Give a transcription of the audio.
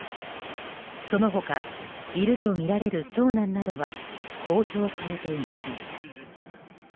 その他、いるとみられる長男などは公表されていません。